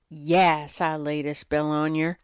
"Yas, I laid a spell on yer!